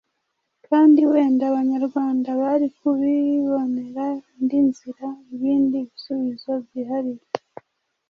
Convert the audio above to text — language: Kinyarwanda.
kandi wenda Abanyarwanda bari kubibonera indi nzira, ibindi bisubizo byihariye.